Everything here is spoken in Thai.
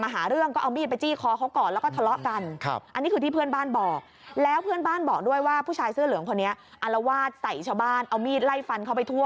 ใส่ชาวบ้านเอามีดไล่ฟันเข้าไปทั่ว